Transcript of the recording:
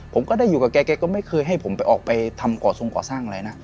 ผมก็ได้อยู่กับแกแกก็ไม่เคยให้ผมไปออกไปทำก่อทรงก่อสร้างอะไรนะ